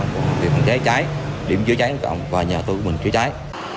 phòng cháy chữa cháy điểm chữa cháy công cộng và nhà tù của mình chữa cháy